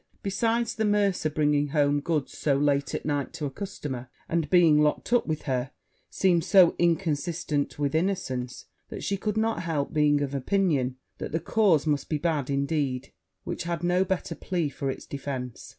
Besides, the mercer bringing home goods so late at night to a customer, and being locked up with her, seemed so inconsistent with innocence, that she could not help being of opinion, that the cause must be bad indeed which had no better plea for it's defence.